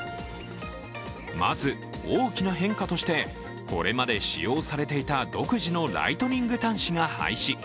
まず大きな変化として、これまで使用されていた独自のライトニング端子が廃止。